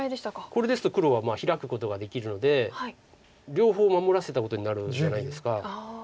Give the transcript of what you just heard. これですと黒はヒラくことができるので両方守らせたことになるじゃないですか。